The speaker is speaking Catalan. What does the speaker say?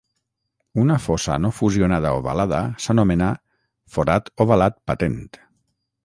Una fossa no fusionada ovalada s'anomena "forat ovalat patent".